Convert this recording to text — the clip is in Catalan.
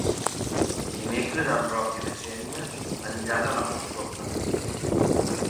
Dimecres en Roc i na Xènia aniran a la Molsosa.